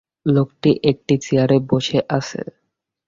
লোকটি একটি চেয়ারে বসে আছে।